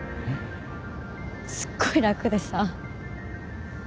すっごい楽でさ